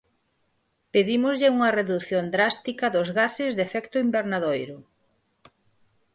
Pedímoslle unha redución drástica dos gases de efecto invernadoiro.